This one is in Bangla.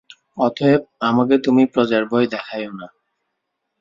অতএব আমাকে তুমি প্রজার ভয় দেখাইয়ো না।